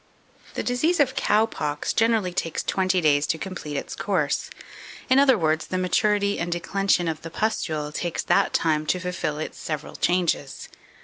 2545. The disease of cow pox generally takes twenty days to complete its course; in other words, the maturity and declension of the pustule takes that time to fulfil its several changes.